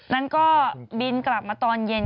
นั้นก็บินกลับมาตอนเย็น